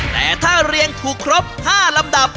แต่ถ้าเรียงถูกครบ๕ลำดับ